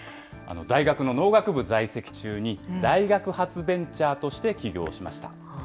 大学の農学部在籍中に大学発ベンチャーとして起業しました。